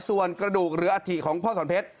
ส่วนกระดูกหรืออัฐิของพ่อสอนเพชร